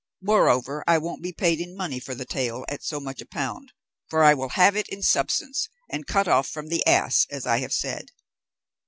Moreover, I won't be paid in money for the tail at so much a pound, but I will have it in substance, and cut off from the ass, as I have said."